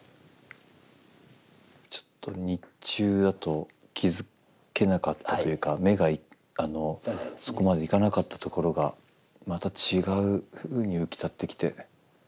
ちょっと日中だと気付けなかったというか目がそこまでいかなかったところがまた違うふうに浮き立ってきて。